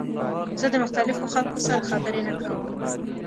زه د مختلفو خلکو سره خبرې نه کوم.